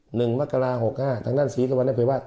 หนึ่งมกรา๖๕ทั้งด้านสี่ศิรวรณแปรพิวเวศไต้ว่า